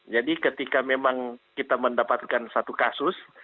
ketika memang kita mendapatkan satu kasus